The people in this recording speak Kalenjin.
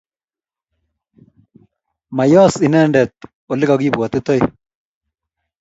Mayoos inendet olegagibwatitoi